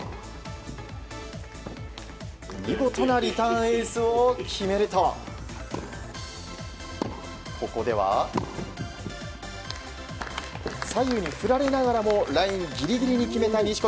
見事なリターンエースを決めるとここでは、左右に振られながらもラインギリギリに決めた錦織。